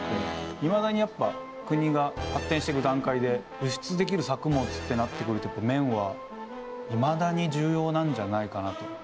いまだにやっぱ国が発展してく段階で輸出できる作物ってなってくると綿はいまだに重要なんじゃないかなと。